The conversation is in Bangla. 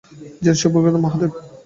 যেন শুভ্রকায় মহাদেব।